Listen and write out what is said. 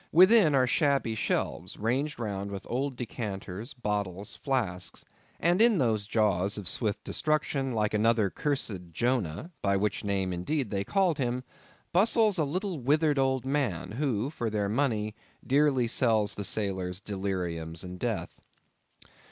Within are shabby shelves, ranged round with old decanters, bottles, flasks; and in those jaws of swift destruction, like another cursed Jonah (by which name indeed they called him), bustles a little withered old man, who, for their money, dearly sells the sailors deliriums and death.